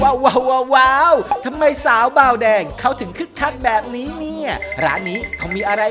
ว้าวทำไมสาวบาวแดงเขาถึงคึกคักแบบนี้เนี่ยร้านนี้เขามีอะไร